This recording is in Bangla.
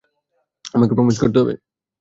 আমাকে প্রমিস করতে হবে।